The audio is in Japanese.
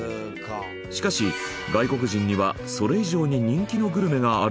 しかし外国人にはそれ以上に人気のグルメがあるという。